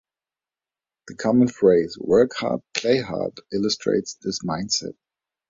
The common phrase "Work hard, play hard" illustrates this mindset.